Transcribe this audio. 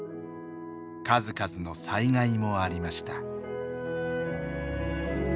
数々の災害もありました。